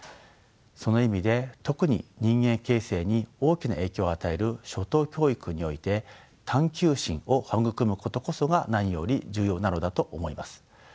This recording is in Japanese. その意味で特に人間形成に大きな影響を与える初等教育において探究心を育むことこそが何より重要なのだと思います。